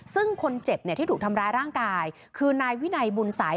ซึ่งคนเจ็บเนี่ยที่ถูกทำร้ายร่างกายคือนายวินัยบุญสัย